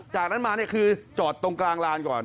จากนั้นมาเนี่ยคือจอดตรงกลางลานก่อน